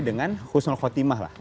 dengan khusnul khotimah lah